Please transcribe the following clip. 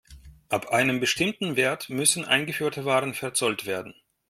Ab einem bestimmten Wert müssen eingeführte Waren verzollt werden.